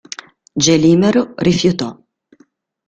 Gelimero rifiutò.